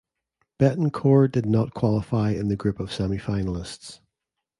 Betancourt did not qualify in the group of semifinalists.